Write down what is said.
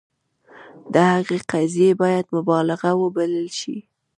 د هغه قضیې باید مبالغه وبلل شي.